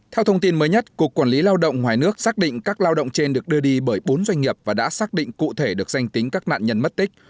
theo thông tin mới nhất cục quản lý lao động ngoài nước xác định các lao động trên được đưa đi bởi bốn doanh nghiệp và đã xác định cụ thể được danh tính các nạn nhân mất tích